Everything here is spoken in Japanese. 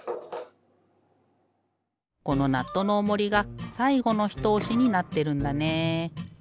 このナットのおもりがさいごのひとおしになってるんだね。